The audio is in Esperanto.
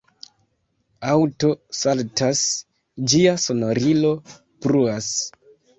Aŭto saltas, ĝia sonorilo bruas